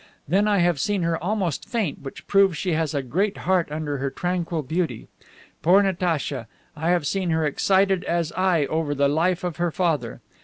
Then I have seen her almost faint, which proves she has a great heart under her tranquil beauty. Poor Natacha! I have seen her excited as I over the life of her father.